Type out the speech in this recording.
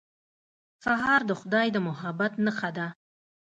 سهار د خدای د محبت نښه ده.